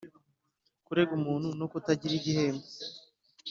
kurega umuntu, no kutagira igihembo